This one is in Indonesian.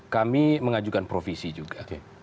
kami mengajukan provisi juga